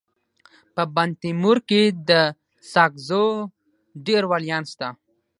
په بندتیمور کي د ساکزو ډير ولیان سته.